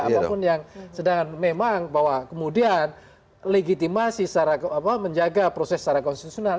apapun yang sedang memang bahwa kemudian legitimasi secara menjaga proses secara konstitusional